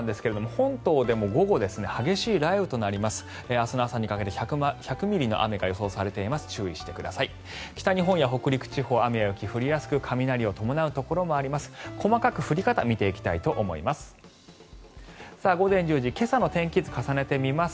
北日本や北陸地方雨や雪が降りやすく雷を伴うところもあります。